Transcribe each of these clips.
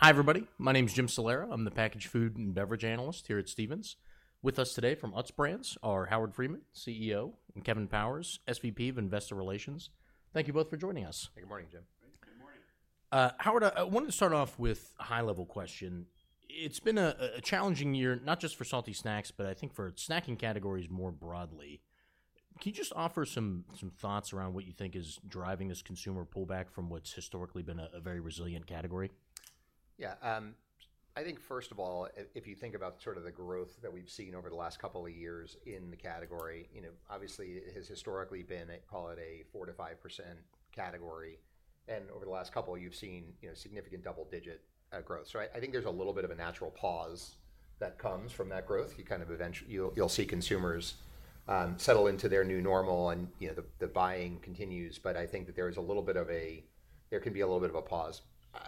Hi, everybody. My name's Jim Salera. I'm the packaged food and beverage analyst here at Stephens. With us today from Utz Brands are Howard Friedman, CEO, and Kevin Powers, SVP of Investor Relations. Thank you both for joining us. Hey, good morning, Jim. Hey, good morning. Howard, I wanted to start off with a high-level question. It's been a challenging year, not just for salty snacks, but I think for snacking categories more broadly. Can you just offer some thoughts around what you think is driving this consumer pullback from what's historically been a very resilient category? Yeah. I think, first of all, if you think about sort of the growth that we've seen over the last couple of years in the category, obviously it has historically been, call it a 4%-5% category. And over the last couple, you've seen significant double-digit growth. So I think there's a little bit of a natural pause that comes from that growth. You kind of eventually, you'll see consumers settle into their new normal and the buying continues. But I think that there is a little bit of a, there can be a little bit of a pause.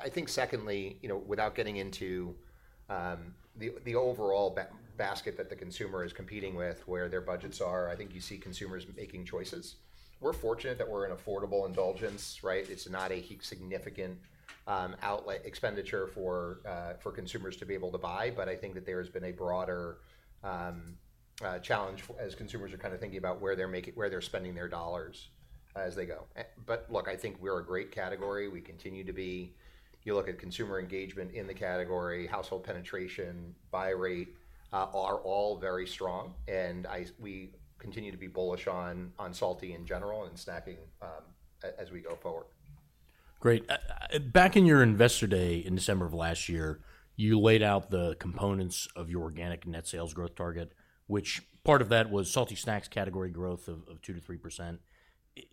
I think secondly, without getting into the overall basket that the consumer is competing with, where their budgets are, I think you see consumers making choices. We're fortunate that we're an affordable indulgence, right? It's not a significant outlet expenditure for consumers to be able to buy. But I think that there has been a broader challenge as consumers are kind of thinking about where they're spending their dollars as they go, but look, I think we're a great category. We continue to be. You look at consumer engagement in the category, household penetration, buy rate are all very strong, and we continue to be bullish on salty in general and snacking as we go forward. Great. Back in your Investor Day in December of last year, you laid out the components of your organic net sales growth target, which part of that was salty snacks category growth of 2%-3%.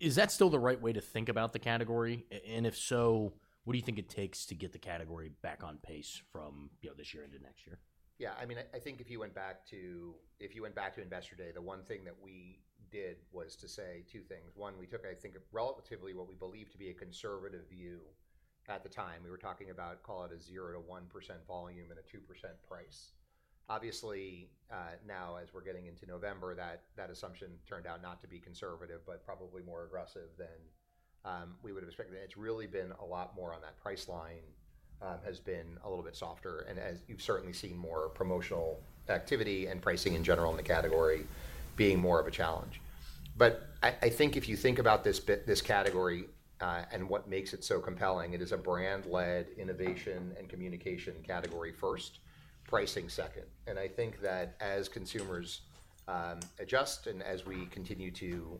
Is that still the right way to think about the category? And if so, what do you think it takes to get the category back on pace from this year into next year? Yeah. I mean, I think if you went back to, if you went back to Investor Day, the one thing that we did was to say two things. One, we took, I think, relatively what we believed to be a conservative view at the time. We were talking about, call it a 0%-1% volume and a 2% price. Obviously, now as we're getting into November, that assumption turned out not to be conservative, but probably more aggressive than we would have expected. It's really been a lot more on that price line, which has been a little bit softer, and as you've certainly seen more promotional activity and pricing in general in the category being more of a challenge, but I think if you think about this category and what makes it so compelling, it is a brand-led innovation and communication category first, pricing second. And I think that as consumers adjust and as we continue to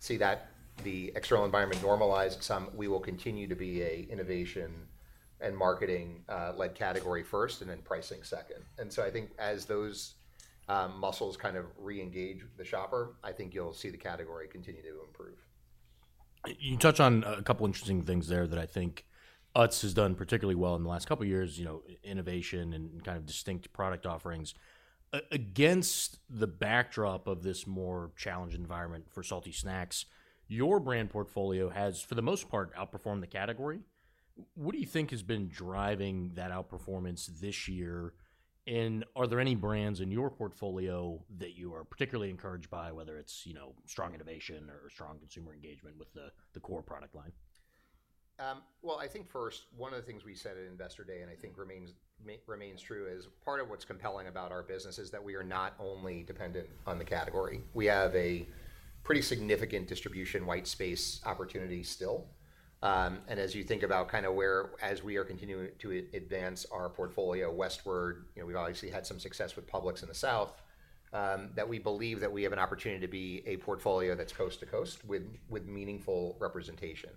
see that the external environment normalize some, we will continue to be an innovation and marketing-led category first and then pricing second. And so I think as those muscles kind of re-engage the shopper, I think you'll see the category continue to improve. You touched on a couple of interesting things there that I think Utz has done particularly well in the last couple of years, innovation and kind of distinct product offerings. Against the backdrop of this more challenged environment for salty snacks, your brand portfolio has, for the most part, outperformed the category. What do you think has been driving that outperformance this year? And are there any brands in your portfolio that you are particularly encouraged by, whether it's strong innovation or strong consumer engagement with the core product line? I think first, one of the things we said at Investor Day, and I think remains true, is part of what's compelling about our business is that we are not only dependent on the category. We have a pretty significant distribution white space opportunity still. And as you think about kind of where, as we are continuing to advance our portfolio westward, we've obviously had some success with Publix in the south, that we believe that we have an opportunity to be a portfolio that's coast to coast with meaningful representation.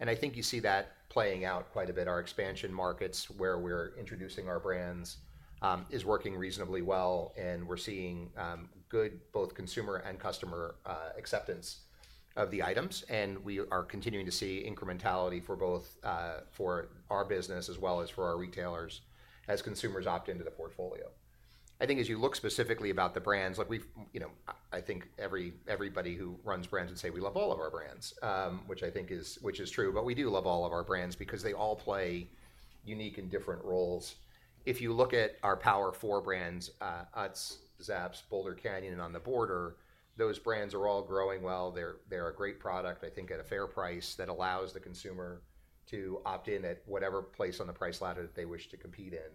And I think you see that playing out quite a bit. Our expansion markets where we're introducing our brands is working reasonably well. And we're seeing good both consumer and customer acceptance of the items. We are continuing to see incrementality for both for our business as well as for our retailers as consumers opt into the portfolio. I think as you look specifically about the brands, I think everybody who runs brands would say, "We love all of our brands," which I think is true. But we do love all of our brands because they all play unique and different roles. If you look at our Power Four brands, Utz, Zapp's, Boulder Canyon, and On The Border, those brands are all growing well. They're a great product, I think, at a fair price that allows the consumer to opt in at whatever place on the price ladder that they wish to compete in.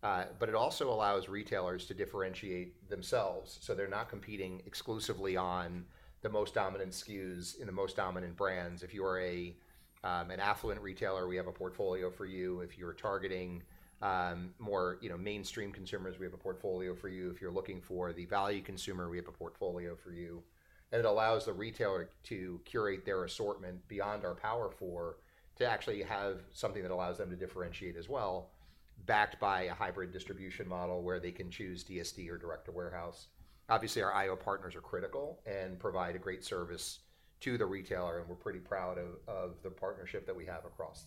But it also allows retailers to differentiate themselves. So they're not competing exclusively on the most dominant SKUs in the most dominant brands. If you are an affluent retailer, we have a portfolio for you. If you're targeting more mainstream consumers, we have a portfolio for you. If you're looking for the value consumer, we have a portfolio for you. And it allows the retailer to curate their assortment beyond our power four to actually have something that allows them to differentiate as well, backed by a hybrid distribution model where they can choose DSD or direct to warehouse. Obviously, our IO partners are critical and provide a great service to the retailer. And we're pretty proud of the partnership that we have across.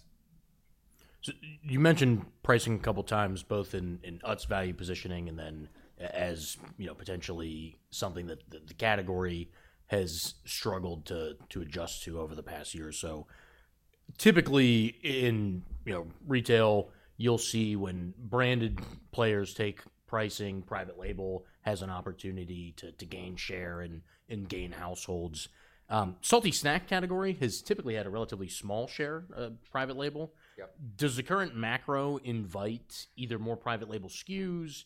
So you mentioned pricing a couple of times, both in Utz value positioning and then as potentially something that the category has struggled to adjust to over the past year or so. Typically, in retail, you'll see when branded players take pricing, private label has an opportunity to gain share and gain households. Salty snack category has typically had a relatively small share, private label. Does the current macro invite either more private label SKUs?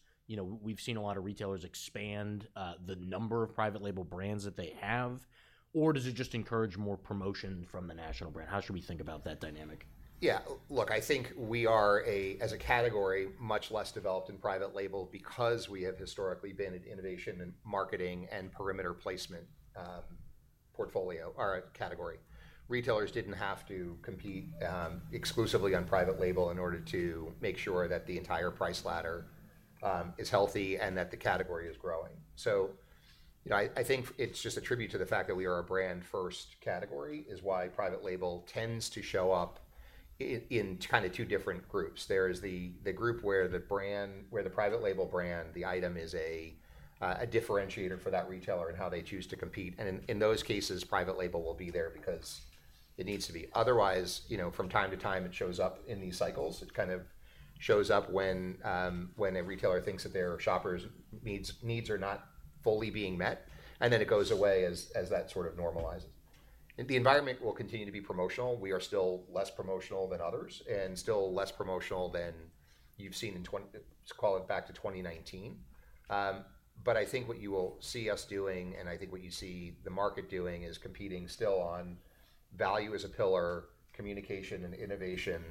We've seen a lot of retailers expand the number of private label brands that they have, or does it just encourage more promotion from the national brand? How should we think about that dynamic? Yeah. Look, I think we are, as a category, much less developed in private label because we have historically been an innovation and marketing and perimeter placement portfolio, our category. Retailers didn't have to compete exclusively on private label in order to make sure that the entire price ladder is healthy and that the category is growing. So I think it's just a tribute to the fact that we are a brand-first category is why private label tends to show up in kind of two different groups. There is the group where the private label brand, the item is a differentiator for that retailer in how they choose to compete. And in those cases, private label will be there because it needs to be. Otherwise, from time to time, it shows up in these cycles. It kind of shows up when a retailer thinks that their shopper's needs are not fully being met, and then it goes away as that sort of normalizes. The environment will continue to be promotional. We are still less promotional than others and still less promotional than you've seen in, call it back to 2019, but I think what you will see us doing, and I think what you see the market doing is competing still on value as a pillar, communication, and innovation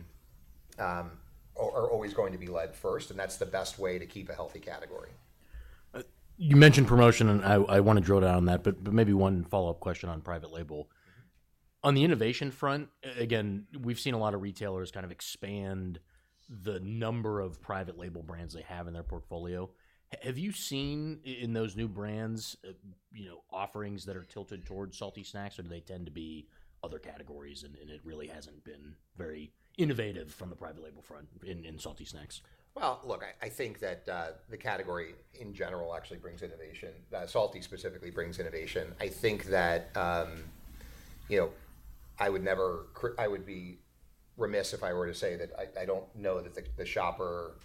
are always going to be led first, and that's the best way to keep a healthy category. You mentioned promotion, and I want to drill down on that, but maybe one follow-up question on private label. On the innovation front, again, we've seen a lot of retailers kind of expand the number of private label brands they have in their portfolio. Have you seen in those new brands offerings that are tilted towards salty snacks, or do they tend to be other categories? And it really hasn't been very innovative from the private label front in salty snacks. Well, look, I think that the category in general actually brings innovation. Salty specifically brings innovation. I think that I would never be remiss if I were to say that I don't know that the shopper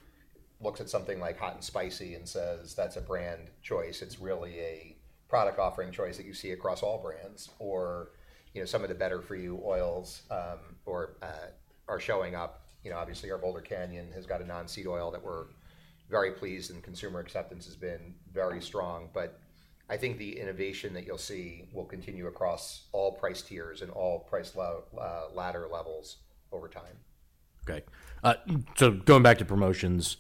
looks at something like Hot and Spicy and says, "That's a brand choice. It's really a product offering choice that you see across all brands," or, "Some of the better for you oils are showing up." Obviously, our Boulder Canyon has got a non-seed oil that we're very pleased and consumer acceptance has been very strong. But I think the innovation that you'll see will continue across all price tiers and all price ladder levels over time. Okay, so going back to promotions,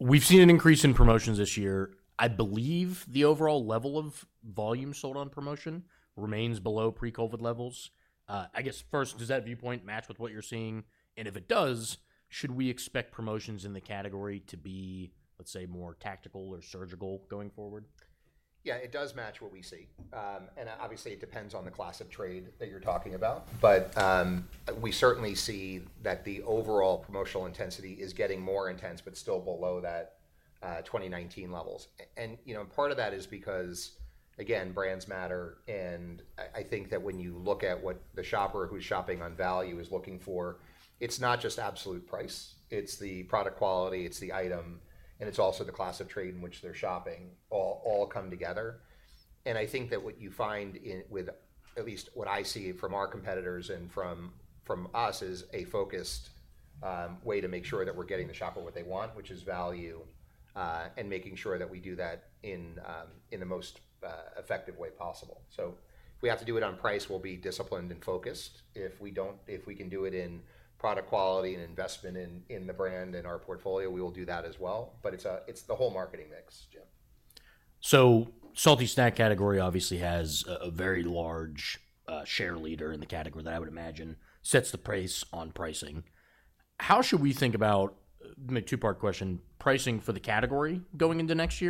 we've seen an increase in promotions this year. I believe the overall level of volume sold on promotion remains below pre-COVID levels. I guess first, does that viewpoint match with what you're seeing? And if it does, should we expect promotions in the category to be, let's say, more tactical or surgical going forward? Yeah, it does match what we see. And obviously, it depends on the class of trade that you're talking about. But we certainly see that the overall promotional intensity is getting more intense, but still below that 2019 levels. And part of that is because, again, brands matter. And I think that when you look at what the shopper who's shopping on value is looking for, it's not just absolute price. It's the product quality, it's the item, and it's also the class of trade in which they're shopping all come together. And I think that what you find with at least what I see from our competitors and from us is a focused way to make sure that we're getting the shopper what they want, which is value, and making sure that we do that in the most effective way possible. So if we have to do it on price, we'll be disciplined and focused. If we can do it in product quality and investment in the brand and our portfolio, we will do that as well. But it's the whole marketing mix, Jim. The salty snacks category obviously has a very large share leader in the category that I would imagine sets the price on pricing. How should we think about, make a two-part question, pricing for the category going into next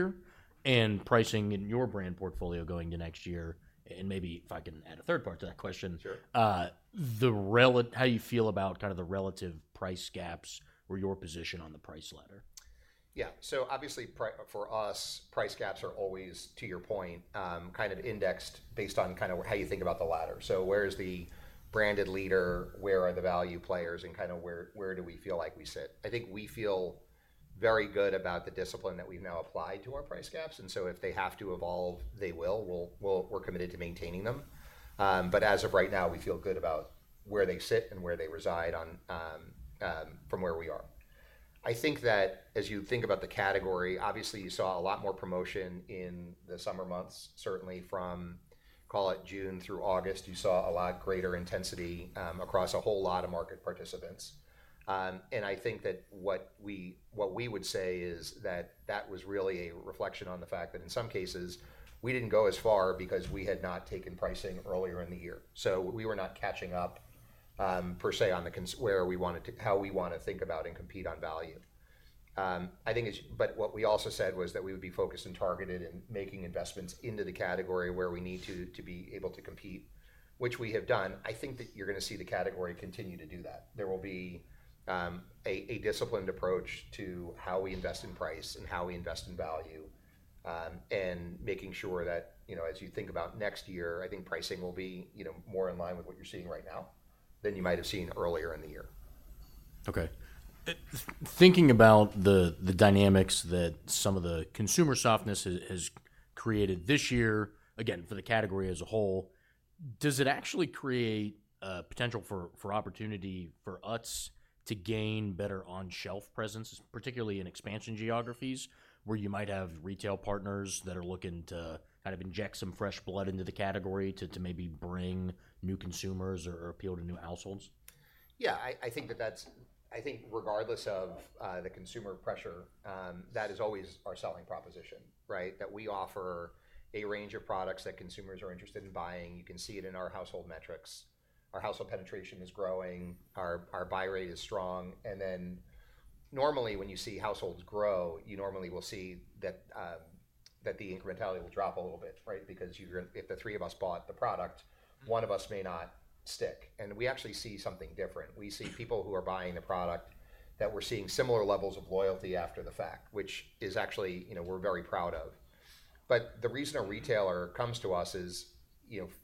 year and pricing in your brand portfolio going into next year? And maybe if I can add a third part to that question, how you feel about kind of the relative price gaps or your position on the price ladder? Yeah. So obviously for us, price gaps are always, to your point, kind of indexed based on kind of how you think about the ladder. So where is the branded leader? Where are the value players? And kind of where do we feel like we sit? I think we feel very good about the discipline that we've now applied to our price gaps. And so if they have to evolve, they will. We're committed to maintaining them. But as of right now, we feel good about where they sit and where they reside from where we are. I think that as you think about the category, obviously you saw a lot more promotion in the summer months, certainly from, call it June through August, you saw a lot greater intensity across a whole lot of market participants. And I think that what we would say is that that was really a reflection on the fact that in some cases, we didn't go as far because we had not taken pricing earlier in the year. So we were not catching up per se on where we wanted to, how we want to think about and compete on value. But what we also said was that we would be focused and targeted in making investments into the category where we need to be able to compete, which we have done. I think that you're going to see the category continue to do that. There will be a disciplined approach to how we invest in price and how we invest in value and making sure that as you think about next year, I think pricing will be more in line with what you're seeing right now than you might have seen earlier in the year. Okay. Thinking about the dynamics that some of the consumer softness has created this year, again, for the category as a whole, does it actually create potential for opportunity for Utz to gain better on-shelf presence, particularly in expansion geographies where you might have retail partners that are looking to kind of inject some fresh blood into the category to maybe bring new consumers or appeal to new households? Yeah. I think regardless of the consumer pressure, that is always our selling proposition, right? That we offer a range of products that consumers are interested in buying. You can see it in our household metrics. Our household penetration is growing. Our buy rate is strong. And then normally when you see households grow, you normally will see that the incrementality will drop a little bit, right? Because if the three of us bought the product, one of us may not stick. And we actually see something different. We see people who are buying the product that we're seeing similar levels of loyalty after the fact, which is actually we're very proud of. But the reason a retailer comes to us is,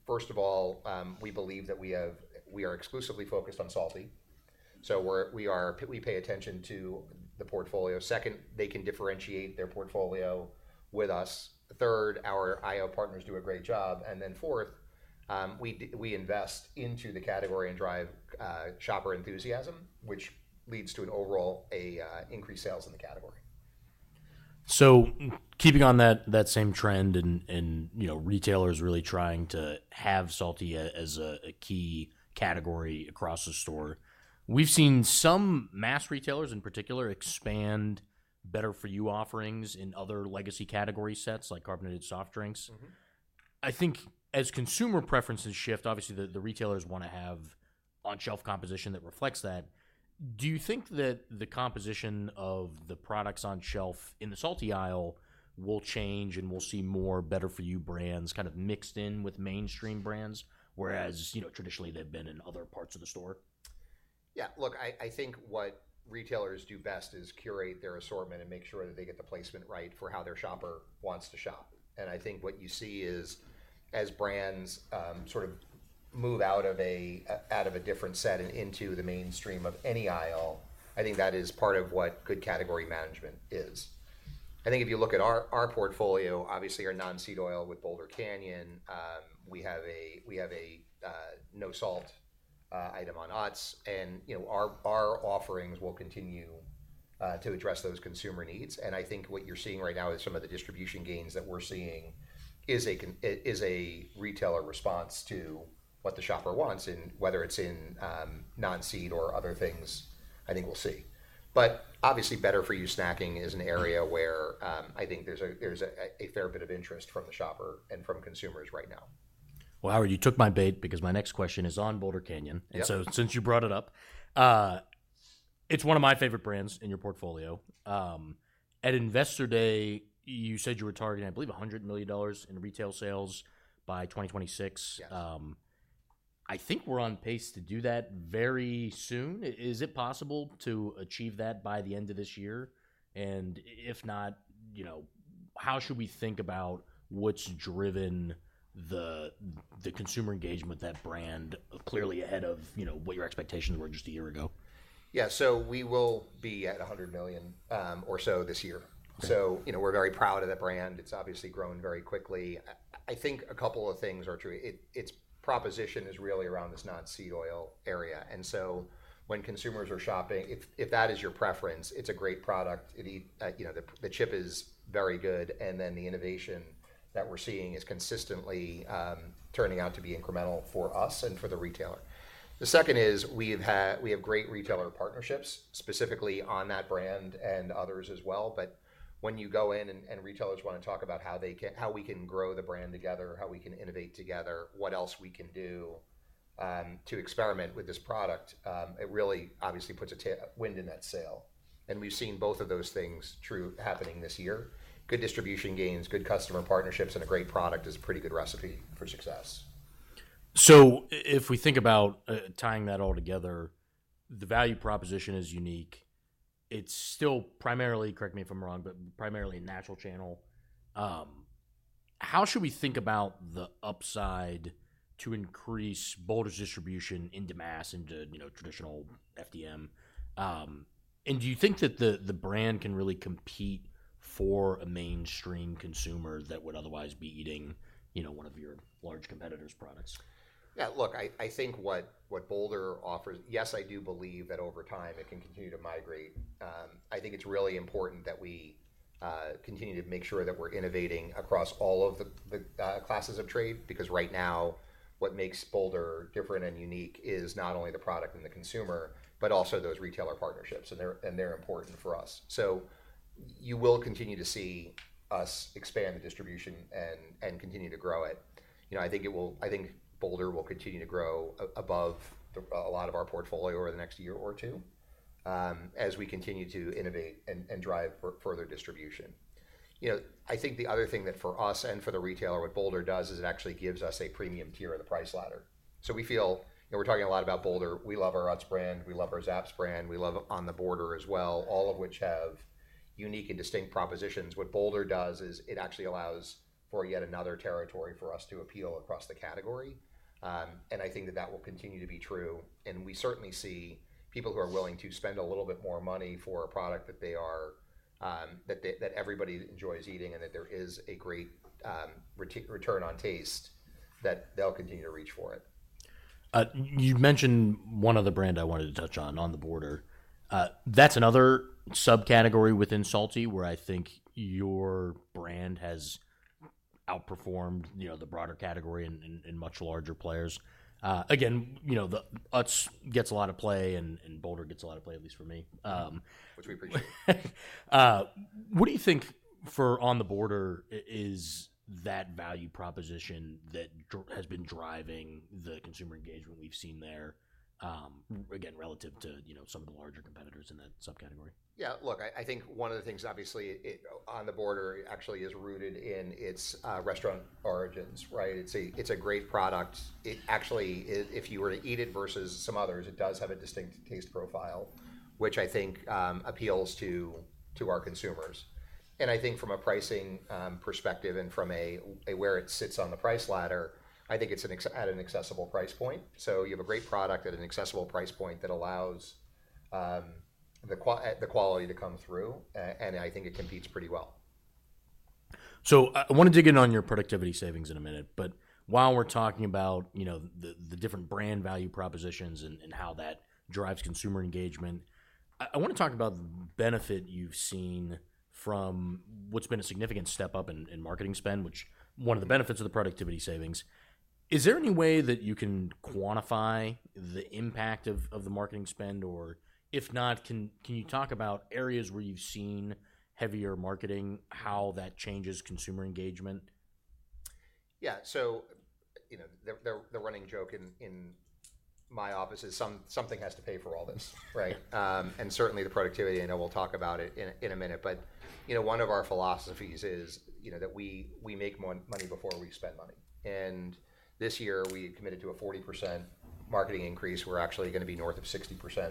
first of all, we believe that we are exclusively focused on salty. So we pay attention to the portfolio. Second, they can differentiate their portfolio with us. Third, our IO partners do a great job. And then fourth, we invest into the category and drive shopper enthusiasm, which leads to an overall increased sales in the category. So keeping on that same trend and retailers really trying to have salty as a key category across the store, we've seen some mass retailers in particular expand better for you offerings in other legacy category sets like carbonated soft drinks. I think as consumer preferences shift, obviously the retailers want to have on-shelf composition that reflects that. Do you think that the composition of the products on shelf in the salty aisle will change and we'll see more better for you brands kind of mixed in with mainstream brands, whereas traditionally they've been in other parts of the store? Yeah. Look, I think what retailers do best is curate their assortment and make sure that they get the placement right for how their shopper wants to shop. And I think what you see is as brands sort of move out of a different set and into the mainstream of any aisle, I think that is part of what good category management is. I think if you look at our portfolio, obviously our non-seed oil with Boulder Canyon, we have a no-salt item on Utz. And our offerings will continue to address those consumer needs. And I think what you're seeing right now is some of the distribution gains that we're seeing is a retailer response to what the shopper wants. And whether it's in non-seed or other things, I think we'll see. But obviously better for you snacking is an area where I think there's a fair bit of interest from the shopper and from consumers right now. Howard, you took my bait because my next question is on Boulder Canyon. Since you brought it up, it's one of my favorite brands in your portfolio. At Investor Day, you said you were targeting, I believe, $100 million in retail sales by 2026. I think we're on pace to do that very soon. Is it possible to achieve that by the end of this year? If not, how should we think about what's driven the consumer engagement with that brand clearly ahead of what your expectations were just a year ago? Yeah. So we will be at $100 million or so this year. So we're very proud of the brand. It's obviously grown very quickly. I think a couple of things are true. Its proposition is really around this non-seed oil area. And so when consumers are shopping, if that is your preference, it's a great product. The chip is very good. And then the innovation that we're seeing is consistently turning out to be incremental for us and for the retailer. The second is we have great retailer partnerships specifically on that brand and others as well. But when you go in and retailers want to talk about how we can grow the brand together, how we can innovate together, what else we can do to experiment with this product, it really obviously puts a wind in that sail. And we've seen both of those things true happening this year. Good distribution gains, good customer partnerships, and a great product is a pretty good recipe for success. So if we think about tying that all together, the value proposition is unique. It's still primarily, correct me if I'm wrong, but primarily a natural channel. How should we think about the upside to increase Boulder's distribution into mass, into traditional FDM? And do you think that the brand can really compete for a mainstream consumer that would otherwise be eating one of your large competitors' products? Yeah. Look, I think what Boulder offers, yes, I do believe that over time it can continue to migrate. I think it's really important that we continue to make sure that we're innovating across all of the classes of trade because right now what makes Boulder different and unique is not only the product and the consumer, but also those retailer partnerships, and they're important for us. So you will continue to see us expand the distribution and continue to grow it. I think Boulder will continue to grow above a lot of our portfolio over the next year or two as we continue to innovate and drive further distribution. I think the other thing that for us and for the retailer what Boulder does is it actually gives us a premium tier of the price ladder, so we feel we're talking a lot about Boulder. We love our Utz brand. We love our Zapp's brand. We love On The Border as well, all of which have unique and distinct propositions. What Boulder does is it actually allows for yet another territory for us to appeal across the category, and I think that that will continue to be true, and we certainly see people who are willing to spend a little bit more money for a product that everybody enjoys eating and that there is a great return on taste that they'll continue to reach for it. You mentioned one other brand I wanted to touch on, On the Border. That's another subcategory within salty where I think your brand has outperformed the broader category and much larger players. Again, Utz gets a lot of play and Boulder gets a lot of play, at least for me. Which we appreciate. What do you think for On The Border is that value proposition that has been driving the consumer engagement we've seen there, again, relative to some of the larger competitors in that subcategory? Yeah. Look, I think one of the things obviously On The Border actually is rooted in its restaurant origins, right? It's a great product. Actually, if you were to eat it versus some others, it does have a distinct taste profile, which I think appeals to our consumers. And I think from a pricing perspective and from where it sits on the price ladder, I think it's at an accessible price point. So you have a great product at an accessible price point that allows the quality to come through. And I think it competes pretty well. So I want to dig in on your productivity savings in a minute. But while we're talking about the different brand value propositions and how that drives consumer engagement, I want to talk about the benefit you've seen from what's been a significant step up in marketing spend, which is one of the benefits of the productivity savings. Is there any way that you can quantify the impact of the marketing spend? Or if not, can you talk about areas where you've seen heavier marketing, how that changes consumer engagement? Yeah. So the running joke in my office is something has to pay for all this, right? And certainly the productivity, I know we'll talk about it in a minute. But one of our philosophies is that we make money before we spend money. And this year we committed to a 40% marketing increase. We're actually going to be north of 60%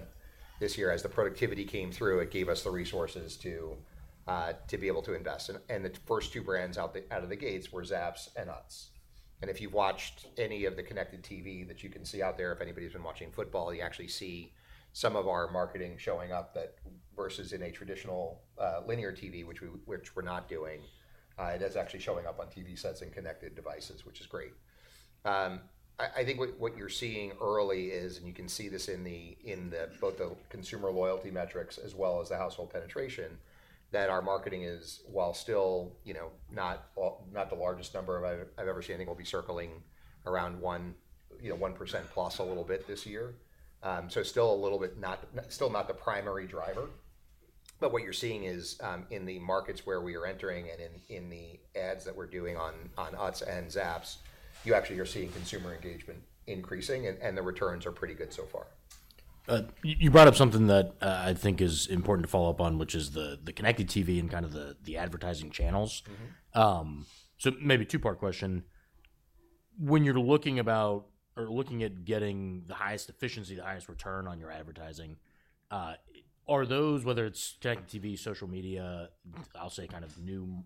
this year. As the productivity came through, it gave us the resources to be able to invest. And the first two brands out of the gates were Zapp's and Utz. And if you've watched any of the connected TV that you can see out there, if anybody's been watching football, you actually see some of our marketing showing up versus in a traditional linear TV, which we're not doing. It is actually showing up on TV sets and connected devices, which is great. I think what you're seeing early is, and you can see this in both the consumer loyalty metrics as well as the household penetration, that our marketing is, while still not the largest number I've ever seen, I think will be circling around 1% plus a little bit this year. So still a little bit not the primary driver. But what you're seeing is in the markets where we are entering and in the ads that we're doing on Utz and Zapp's, you actually are seeing consumer engagement increasing and the returns are pretty good so far. You brought up something that I think is important to follow up on, which is the connected TV and kind of the advertising channels. So maybe a two-part question. When you're looking about or looking at getting the highest efficiency, the highest return on your advertising, are those, whether it's connected TV, social media, I'll say kind of new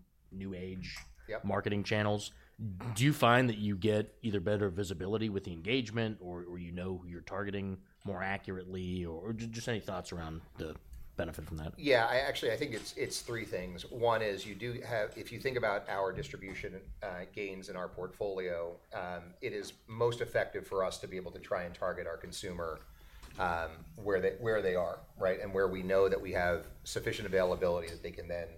age marketing channels, do you find that you get either better visibility with the engagement or you know who you're targeting more accurately? Or just any thoughts around the benefit from that? Yeah. Actually, I think it's three things. One is you do have, if you think about our distribution gains in our portfolio, it is most effective for us to be able to try and target our consumer where they are, right? And where we know that we have sufficient availability that they can then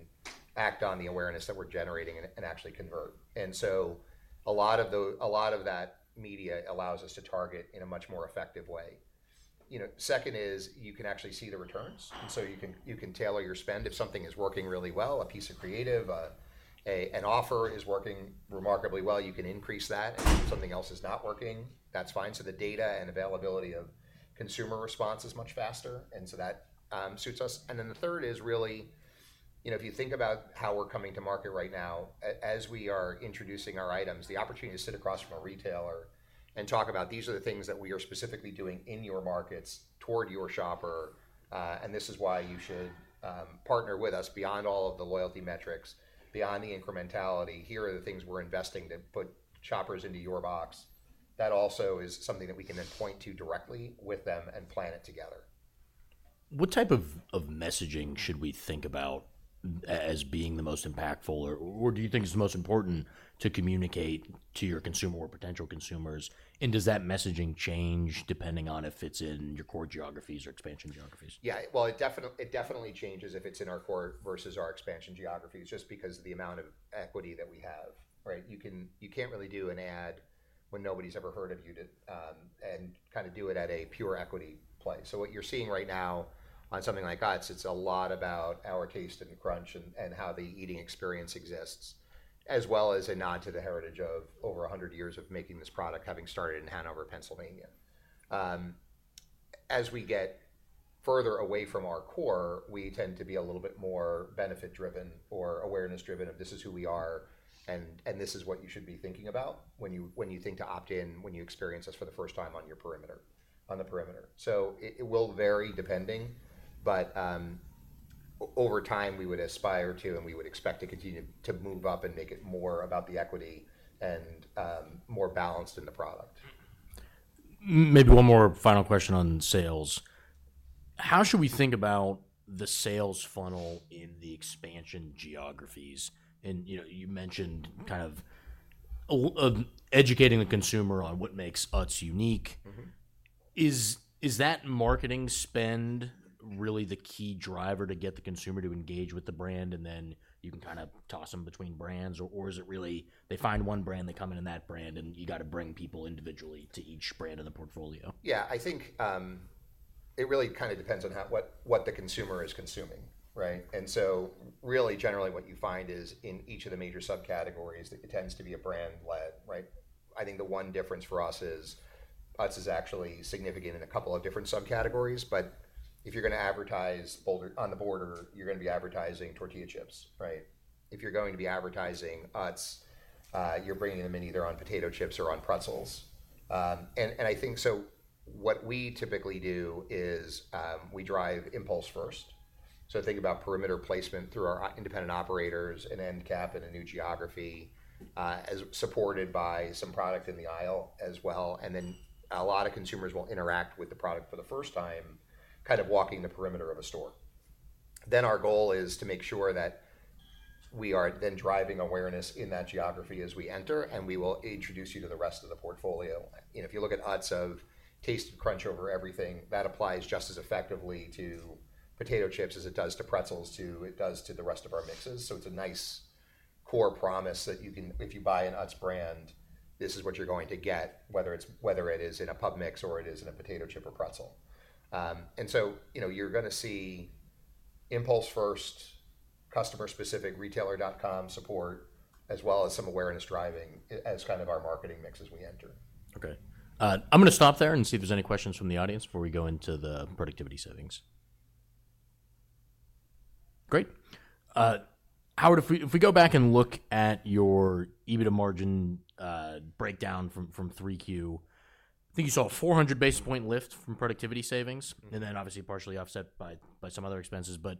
act on the awareness that we're generating and actually convert. And so a lot of that media allows us to target in a much more effective way. Second is you can actually see the returns. And so you can tailor your spend. If something is working really well, a piece of creative, an offer is working remarkably well, you can increase that. And if something else is not working, that's fine. So the data and availability of consumer response is much faster. And so that suits us. And then the third is really, if you think about how we're coming to market right now, as we are introducing our items, the opportunity to sit across from a retailer and talk about these are the things that we are specifically doing in your markets toward your shopper. And this is why you should partner with us beyond all of the loyalty metrics, beyond the incrementality. Here are the things we're investing to put shoppers into your box. That also is something that we can then point to directly with them and plan it together. What type of messaging should we think about as being the most impactful? Or do you think it's the most important to communicate to your consumer or potential consumers? And does that messaging change depending on if it's in your core geographies or expansion geographies? Yeah. Well, it definitely changes if it's in our core versus our expansion geographies just because of the amount of equity that we have, right? You can't really do an ad when nobody's ever heard of you and kind of do it at a pure equity play. So what you're seeing right now on something like Utz, it's a lot about our taste and crunch and how the eating experience exists, as well as a nod to the heritage of over 100 years of making this product having started in Hanover, Pennsylvania. As we get further away from our core, we tend to be a little bit more benefit-driven or awareness-driven of this is who we are and this is what you should be thinking about when you think to opt in when you experience us for the first time on the perimeter. So it will vary depending. But over time, we would aspire to and we would expect to continue to move up and make it more about the equity and more balanced in the product. Maybe one more final question on sales. How should we think about the sales funnel in the expansion geographies? And you mentioned kind of educating the consumer on what makes Utz unique. Is that marketing spend really the key driver to get the consumer to engage with the brand and then you can kind of toss them between brands? Or is it really they find one brand, they come in in that brand, and you got to bring people individually to each brand in the portfolio? Yeah. I think it really kind of depends on what the consumer is consuming, right? And so really generally what you find is in each of the major subcategories, it tends to be a brand-led, right? I think the one difference for us is Utz is actually significant in a couple of different subcategories. But if you're going to advertise On the Border, you're going to be advertising tortilla chips, right? If you're going to be advertising Utz, you're bringing them in either on potato chips or on pretzels. And I think so what we typically do is we drive impulse first. So think about perimeter placement through our independent operators and end cap in a new geography as supported by some product in the aisle as well. And then a lot of consumers will interact with the product for the first time, kind of walking the perimeter of a store. Then our goal is to make sure that we are then driving awareness in that geography as we enter, and we will introduce you to the rest of the portfolio. If you look at Utz taste and crunch over everything, that applies just as effectively to potato chips as it does to pretzels as it does to the rest of our mixes. So it's a nice core promise that if you buy an Utz brand, this is what you're going to get, whether it is in a Pub Mix or it is in a potato chip or pretzel. And so you're going to see impulse first, customer-specific retailer.com support, as well as some awareness driving as kind of our marketing mix as we enter. Okay. I'm going to stop there and see if there's any questions from the audience before we go into the productivity savings. Great. Howard, if we go back and look at your EBITDA margin breakdown from 3Q, I think you saw a 400 basis point lift from productivity savings and then obviously partially offset by some other expenses. But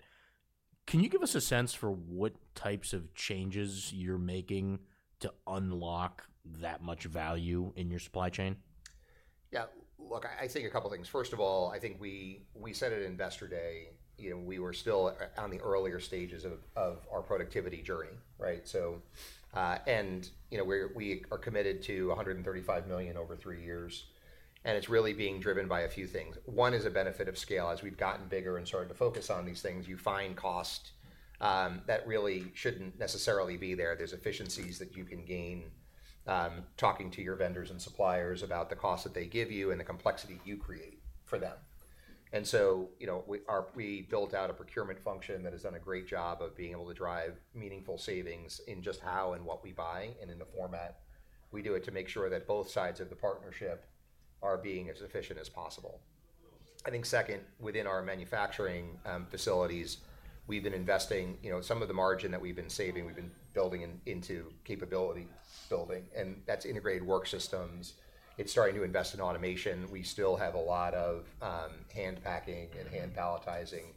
can you give us a sense for what types of changes you're making to unlock that much value in your supply chain? Yeah. Look, I think a couple of things. First of all, I think we said at investor day, we were still on the earlier stages of our productivity journey, right? And we are committed to $135 million over three years. And it's really being driven by a few things. One is a benefit of scale. As we've gotten bigger and started to focus on these things, you find cost that really shouldn't necessarily be there. There's efficiencies that you can gain talking to your vendors and suppliers about the cost that they give you and the complexity you create for them. So we built out a procurement function that has done a great job of being able to drive meaningful savings in just how and what we buy and in the format we do it to make sure that both sides of the partnership are being as efficient as possible. I think second, within our manufacturing facilities, we've been investing some of the margin that we've been saving. We've been building into capability building. And that's Integrated Work Systems. It's starting to invest in automation. We still have a lot of hand packing and hand palletizing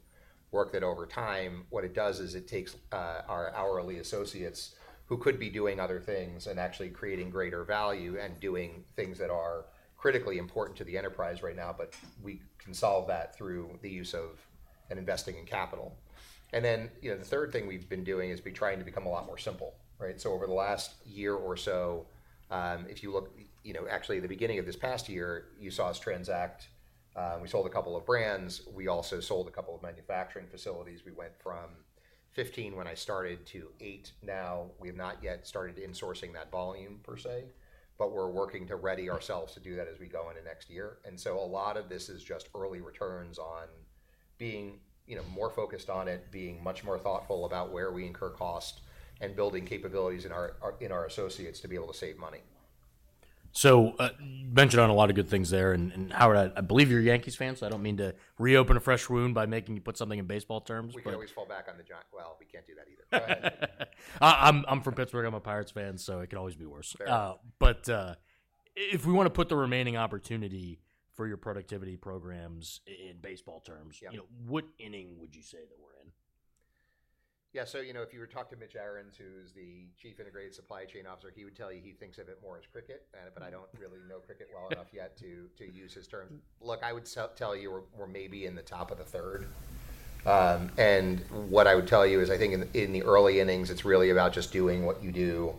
work that over time, what it does is it takes our hourly associates who could be doing other things and actually creating greater value and doing things that are critically important to the enterprise right now, but we can solve that through the use of and investing in capital. And then the third thing we've been doing is we're trying to become a lot more simple, right? So over the last year or so, if you look actually at the beginning of this past year, you saw us transact. We sold a couple of brands. We also sold a couple of manufacturing facilities. We went from 15 when I started to 8 now. We have not yet started insourcing that volume per se, but we're working to ready ourselves to do that as we go into next year. And so a lot of this is just early returns on being more focused on it, being much more thoughtful about where we incur cost and building capabilities in our associates to be able to save money. So you mentioned a lot of good things there. And Howard, I believe you're Yankees fan, so I don't mean to reopen a fresh wound by making you put something in baseball terms. We can always fall back on the junk, well, we can't do that either. I'm from Pittsburgh. I'm a Pirates fan, so it could always be worse. But if we want to put the remaining opportunity for your productivity programs in baseball terms, what inning would you say that we're in? Yeah. So if you were to talk to Mitch Arends, who is the Chief Integrated Supply Chain Officer, he would tell you he thinks of it more as cricket. But I don't really know cricket well enough yet to use his terms. Look, I would tell you we're maybe in the top of the third. And what I would tell you is I think in the early innings, it's really about just doing what you do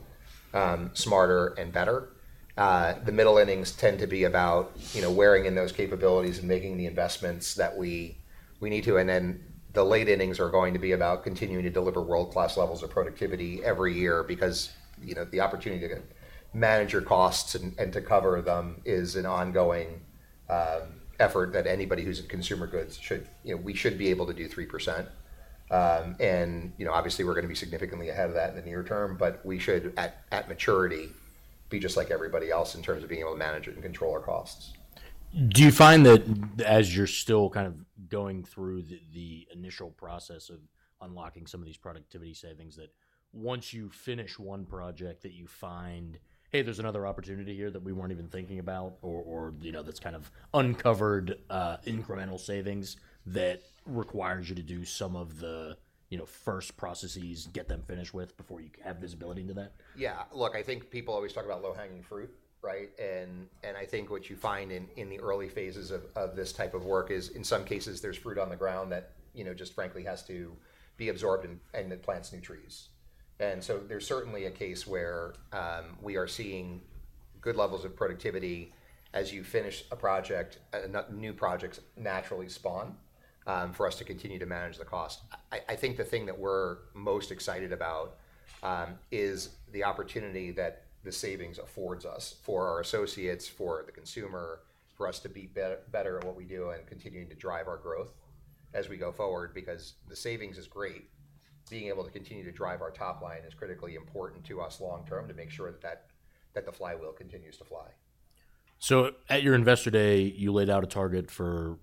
smarter and better. The middle innings tend to be about wearing in those capabilities and making the investments that we need to. And then the late innings are going to be about continuing to deliver world-class levels of productivity every year because the opportunity to manage your costs and to cover them is an ongoing effort that anybody who's in consumer goods should be able to do 3%. And obviously, we're going to be significantly ahead of that in the near term, but we should at maturity be just like everybody else in terms of being able to manage it and control our costs. Do you find that as you're still kind of going through the initial process of unlocking some of these productivity savings that once you finish one project that you find, "Hey, there's another opportunity here that we weren't even thinking about," or that's kind of uncovered incremental savings that requires you to do some of the first processes, get them finished with before you have visibility into that? Yeah. Look, I think people always talk about low-hanging fruit, right? And I think what you find in the early phases of this type of work is in some cases, there's fruit on the ground that just frankly has to be absorbed and it plants new trees. And so there's certainly a case where we are seeing good levels of productivity. As you finish a project, new projects naturally spawn for us to continue to manage the cost. I think the thing that we're most excited about is the opportunity that the savings affords us for our associates, for the consumer, for us to be better at what we do and continuing to drive our growth as we go forward because the savings is great. Being able to continue to drive our top line is critically important to us long-term to make sure that the flywheel continues to fly. So at your investor day, you laid out a target for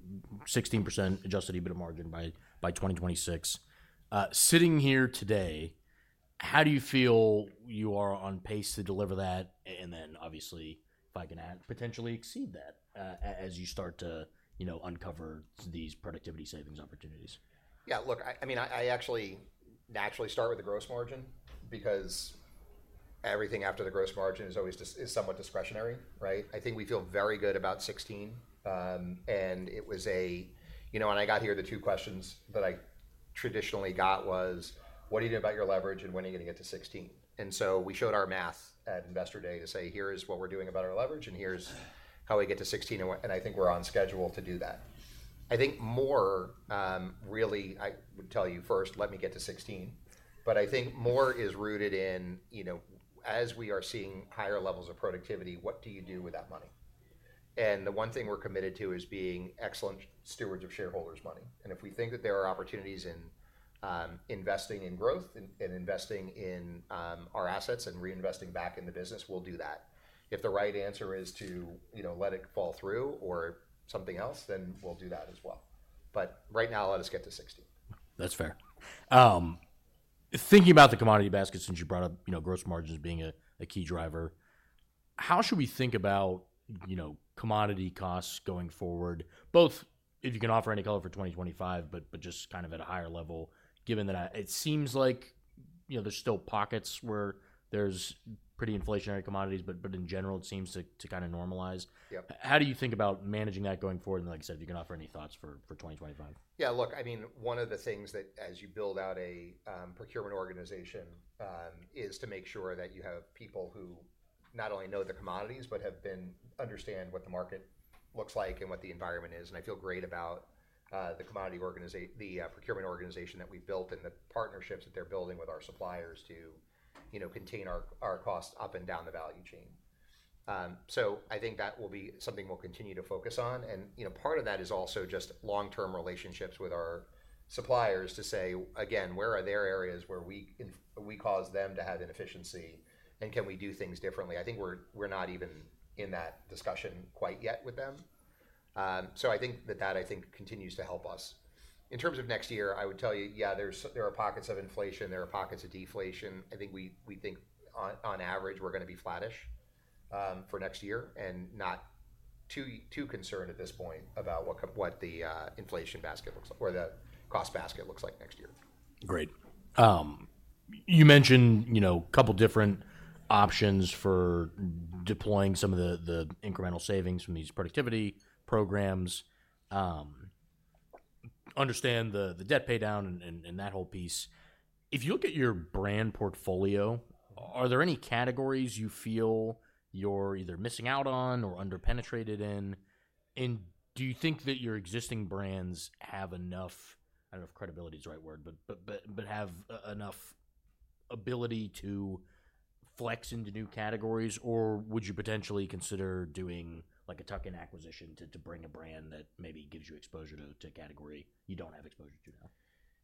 16% adjusted EBITDA margin by 2026. Sitting here today, how do you feel you are on pace to deliver that? And then obviously, if I can add, potentially exceed that as you start to uncover these productivity savings opportunities? Yeah. Look, I mean, I actually naturally start with the gross margin because everything after the gross margin is always somewhat discretionary, right? I think we feel very good about 16. And it was, when I got here, the two questions that I traditionally got was, "What are you doing about your leverage and when are you going to get to 16?" And so we showed our math at investor day to say, "Here is what we're doing about our leverage and here's how we get to 16." And I think we're on schedule to do that. I think more really I would tell you first, "Let me get to 16." But I think more is rooted in as we are seeing higher levels of productivity, what do you do with that money? And the one thing we're committed to is being excellent stewards of shareholders' money. And if we think that there are opportunities in investing in growth and investing in our assets and reinvesting back in the business, we'll do that. If the right answer is to let it fall through or something else, then we'll do that as well. But right now, let us get to 16. That's fair. Thinking about the commodity basket since you brought up gross margins being a key driver, how should we think about commodity costs going forward, both if you can offer any color for 2025, but just kind of at a higher level, given that it seems like there's still pockets where there's pretty inflationary commodities, but in general, it seems to kind of normalize? How do you think about managing that going forward? And like I said, if you can offer any thoughts for 2025? Yeah. Look, I mean, one of the things that as you build out a procurement organization is to make sure that you have people who not only know the commodities, but understand what the market looks like and what the environment is. And I feel great about the procurement organization that we've built and the partnerships that they're building with our suppliers to contain our cost up and down the value chain. So I think that will be something we'll continue to focus on. And part of that is also just long-term relationships with our suppliers to say, "Again, where are there areas where we cause them to have inefficiency and can we do things differently?" I think we're not even in that discussion quite yet with them. So I think that that, I think, continues to help us. In terms of next year, I would tell you, yeah, there are pockets of inflation. There are pockets of deflation. I think we think on average, we're going to be flattish for next year and not too concerned at this point about what the inflation basket looks or the cost basket looks like next year. Great. You mentioned a couple of different options for deploying some of the incremental savings from these productivity programs. Understand the debt pay down and that whole piece. If you look at your brand portfolio, are there any categories you feel you're either missing out on or underpenetrated in? And do you think that your existing brands have enough, I don't know if credibility is the right word, but have enough ability to flex into new categories? Or would you potentially consider doing a tuck-in acquisition to bring a brand that maybe gives you exposure to a category you don't have exposure to now?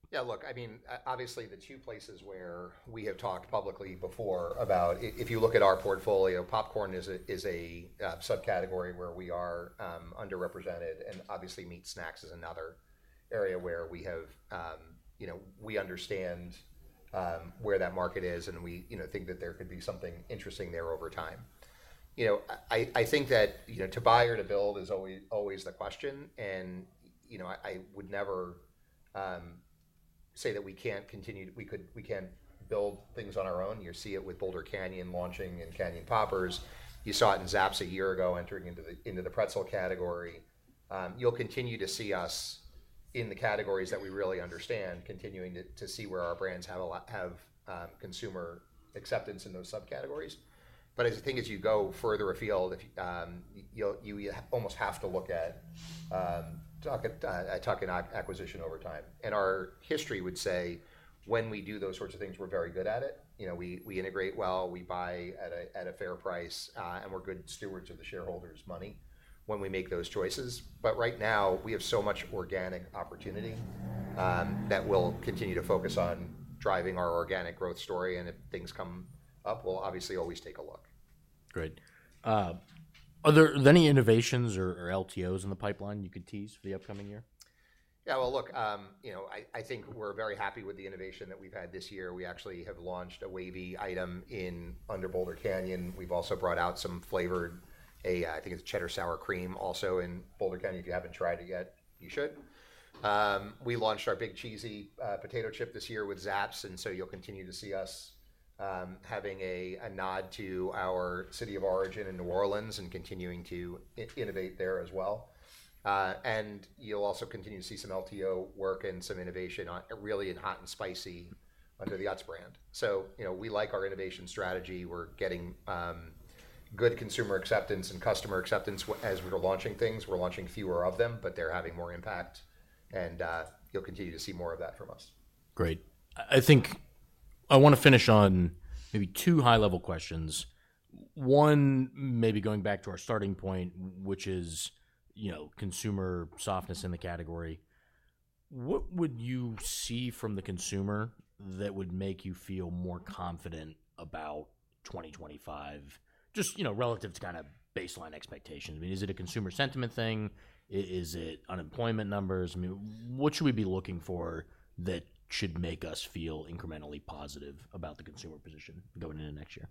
Yeah. Look, I mean, obviously, the two places where we have talked publicly before about if you look at our portfolio, popcorn is a subcategory where we are underrepresented. And obviously, meat snacks is another area where we have-we understand where that market is and we think that there could be something interesting there over time. I think that to buy or to build is always the question. And I would never say that we can't continue to-we can build things on our own. You see it with Boulder Canyon launching and Canyon Poppers. You saw it in Zapp's a year ago entering into the pretzel category. You'll continue to see us in the categories that we really understand, continuing to see where our brands have consumer acceptance in those subcategories. But as the thing is, you go further afield, you almost have to look at tuck-in acquisition over time. And our history would say when we do those sorts of things, we're very good at it. We integrate well. We buy at a fair price, and we're good stewards of the shareholders' money when we make those choices. But right now, we have so much organic opportunity that we'll continue to focus on driving our organic growth story. And if things come up, we'll obviously always take a look. Great. Are there any innovations or LTOs in the pipeline you could tease for the upcoming year? Yeah. Well, look, I think we're very happy with the innovation that we've had this year. We actually have launched a wavy item under Boulder Canyon. We've also brought out some flavored, I think it's cheddar sour cream also in Boulder Canyon. If you haven't tried it yet, you should. We launched our Big Cheezy potato chip this year with Zapp's. And so you'll continue to see us having a nod to our city of origin in New Orleans and continuing to innovate there as well. And you'll also continue to see some LTO work and some innovation really in hot and spicy under the Utz brand. So we like our innovation strategy. We're getting good consumer acceptance and customer acceptance as we're launching things. We're launching fewer of them, but they're having more impact. And you'll continue to see more of that from us. Great. I think I want to finish on maybe two high-level questions. One, maybe going back to our starting point, which is consumer softness in the category. What would you see from the consumer that would make you feel more confident about 2025, just relative to kind of baseline expectations? I mean, is it a consumer sentiment thing? Is it unemployment numbers? I mean, what should we be looking for that should make us feel incrementally positive about the consumer position going into next year?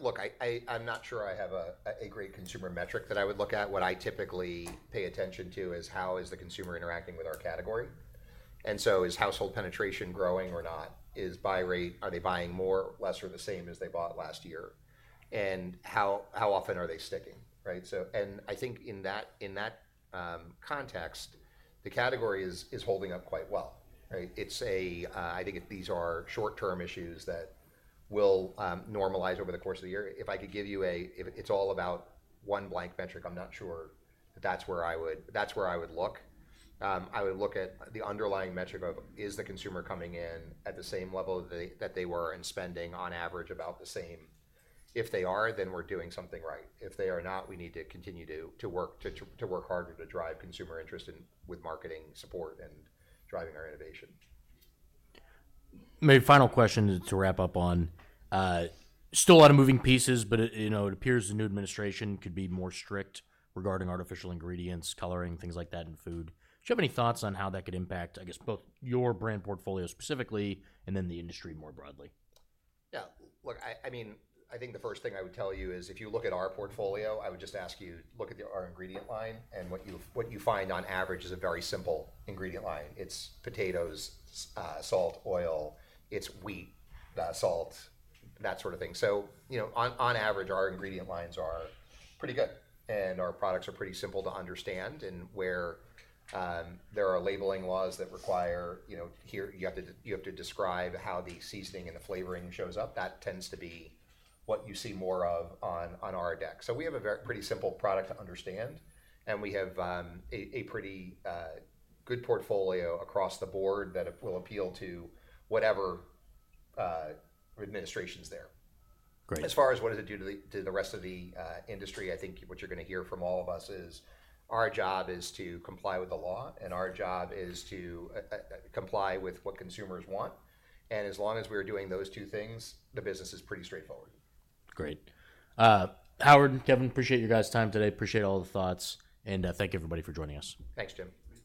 Look, I'm not sure I have a great consumer metric that I would look at. What I typically pay attention to is how is the consumer interacting with our category. And so is household penetration growing or not? Is buy rate, are they buying more, less, or the same as they bought last year? And how often are they sticking, right? And I think in that context, the category is holding up quite well, right? I think these are short-term issues that will normalize over the course of the year. If I could give you a, if it's all about one blank metric, I'm not sure that that's where I would look. I would look at the underlying metric of is the consumer coming in at the same level that they were and spending on average about the same? If they are, then we're doing something right. If they are not, we need to continue to work harder to drive consumer interest with marketing support and driving our innovation. Maybe final question to wrap up on. Still a lot of moving pieces, but it appears the new administration could be more strict regarding artificial ingredients, coloring, things like that in food. Do you have any thoughts on how that could impact, I guess, both your brand portfolio specifically and then the industry more broadly? Yeah. Look, I mean, I think the first thing I would tell you is if you look at our portfolio, I would just ask you to look at our ingredient line and what you find on average is a very simple ingredient line. It's potatoes, salt, oil. It's wheat, salt, that sort of thing. So on average, our ingredient lines are pretty good. And our products are pretty simple to understand. And where there are labeling laws that require you have to describe how the seasoning and the flavoring shows up, that tends to be what you see more of on our deck. So we have a pretty simple product to understand. And we have a pretty good portfolio across the board that will appeal to whatever administration's there. As far as what does it do to the rest of the industry, I think what you're going to hear from all of us is our job is to comply with the law, and our job is to comply with what consumers want. And as long as we're doing those two things, the business is pretty straightforward. Great. Howard, Kevin, appreciate your guys' time today. Appreciate all the thoughts and thank you, everybody, for joining us. Thanks, Jim.